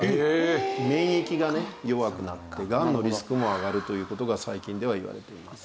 免疫がね弱くなってがんのリスクも上がるという事が最近ではいわれています。